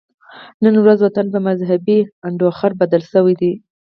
نن ورځ وطن په مذهبي انډوخر بدل شوی دی